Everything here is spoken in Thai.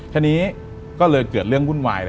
ทีนี้ก็เลยเกิดเรื่องวุ่นวาย